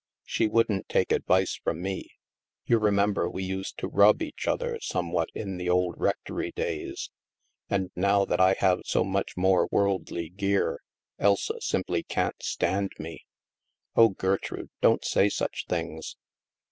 She wouldn't take advice from me ; you remember we used to rub each other some what in the old rectory days. And now that I have so much more worldly gear, Elsa simply can't stand me. " Oh, Gertrude, don't say such things."